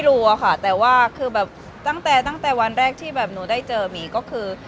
รู้อะค่ะแต่ว่าคือแบบตั้งแต่ตั้งแต่วันแรกที่แบบหนูได้เจอหมีก็คือ